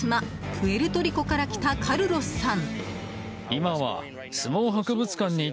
プエルトリコから来たカルロスさん。